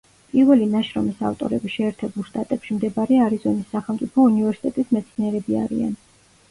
პირველი ნაშრომის ავტორები შეერთებულ შტატებში მდებარე არიზონის სახელმწიფო უნივერსიტეტის მეცნიერები არიან.